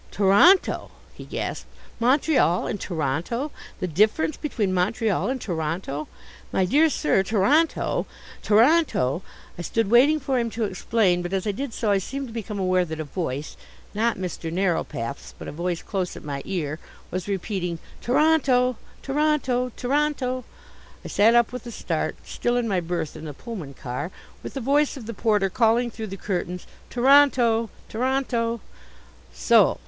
"Toronto?" he gasped. "Montreal and Toronto! The difference between Montreal and Toronto! My dear sir Toronto Toronto " I stood waiting for him to explain. But as I did so I seemed to become aware that a voice, not Mr. Narrowpath's but a voice close at my ear, was repeating "Toronto Toronto Toronto " I sat up with a start still in my berth in the Pullman car with the voice of the porter calling through the curtains "Toronto! Toronto!" So!